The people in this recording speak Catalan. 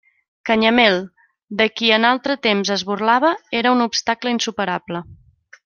Canyamel, de qui en altre temps es burlava, era un obstacle insuperable.